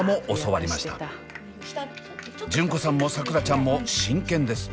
純子さんも桜ちゃんも真剣です。